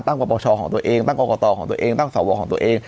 ตั้งกว่าประชาของตัวเองตั้งกว่าก่อต่อของตัวเอง